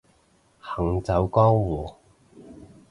行走江湖